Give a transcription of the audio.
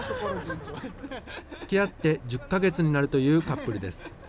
つきあって１０か月になるというカップルです。